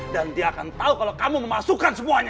dan dia akan tahu kalau kamu memasukkan semuanya